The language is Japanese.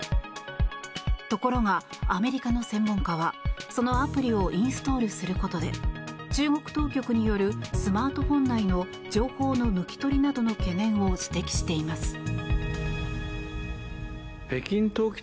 ところがアメリカの専門家はそのアプリをインストールすることで中国当局によるスマートフォン内の情報の抜き取りなどの懸念を指摘しています。